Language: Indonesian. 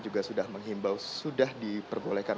juga sudah menghimbau sudah diperbolehkan